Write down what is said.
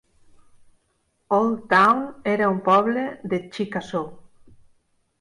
Old Town era un poble de Chickasaw.